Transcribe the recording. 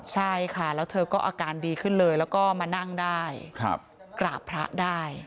ใช่ค่ะแล้วเธอก็อาการดีขึ้นเลยแล้วก็มานั่งได้กราบพระได้